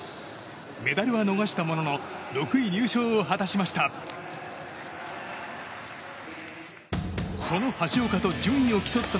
メダルは逃したものの６位入賞を果たしました。